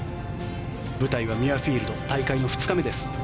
舞台はミュアフィールド大会の２日目です。